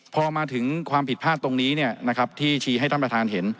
พอมาถึงความผิดพลาดตรงนี้ที่ชี้ให้ท่านประธานเห็น